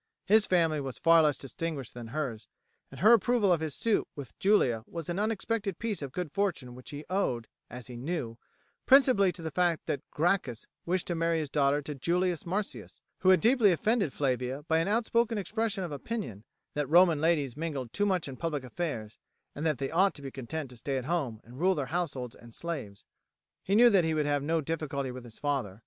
His family was far less distinguished than hers, and her approval of his suit with Julia was an unexpected piece of good fortune which he owed, as he knew, principally to the fact that Gracchus wished to marry his daughter to Julius Marcius, who had deeply offended Flavia by an outspoken expression of opinion, that the Roman ladies mingled too much in public affairs, and that they ought to be content to stay at home and rule their households and slaves. He knew that he would have no difficulty with his father.